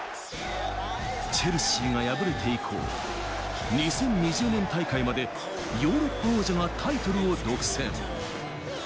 チェルシーが敗れて以降、２０２０年大会までヨーロッパ王者がタイトルを独占。